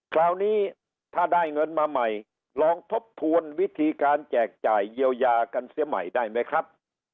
คราวนี้ถ้าได้เงินมาใหม่ลองทบทวนวิธีการแจกจ่ายเยียวยากันเสียใหม่ได้ไหมครับ